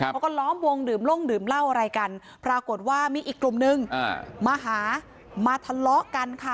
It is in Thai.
เขาก็ล้อมวงดื่มล่มดื่มเหล้าอะไรกันปรากฏว่ามีอีกกลุ่มนึงมาหามาทะเลาะกันค่ะ